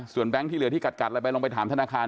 ส่วนแบงค์ที่เหลือที่กัดลงไปถามธนาคาร